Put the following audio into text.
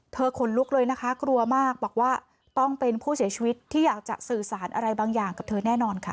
ขนลุกเลยนะคะกลัวมากบอกว่าต้องเป็นผู้เสียชีวิตที่อยากจะสื่อสารอะไรบางอย่างกับเธอแน่นอนค่ะ